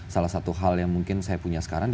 salah satu hal yang mungkin saya punya sekarang